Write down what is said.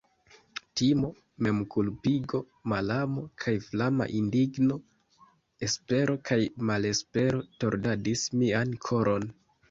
Timo, memkulpigo, malamo, kaj flama indigno, espero kaj malespero tordadis mian koron.